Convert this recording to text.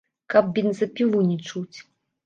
Каб бензапілу не чуць.